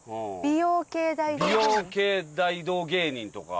美容系大道芸人とか。